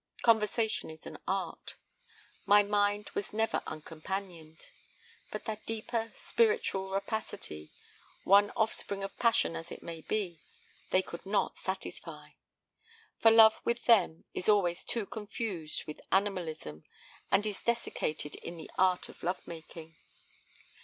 Conversation is an art. My mind was never uncompanioned. But that deeper spiritual rapacity, one offspring of passion as it may be, they could not satisfy; for love with them is always too confused with animalism and is desiccated in the art of love making.